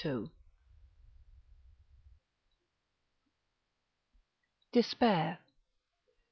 —_Despair.